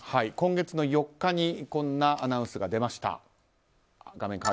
今月の４日にこんなアナウンスが出ました。